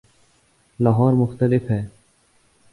لاہور مختلف ہے۔